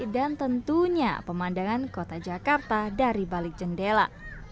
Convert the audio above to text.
dan tentunya pemandangan kota jakarta dari balik jendela